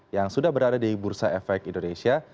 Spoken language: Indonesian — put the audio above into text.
yang sudah berada di bursa efek indonesia